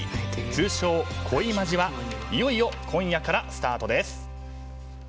通称「恋マジ」はいよいよ今夜からスタートです。